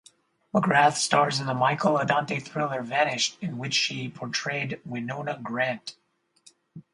Magrath stars in the Michael Adante thriller Vanished in which she portrayed Winona Grant.